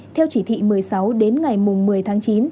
theo chỉ thị một mươi sáu đến ngày một mươi tháng chín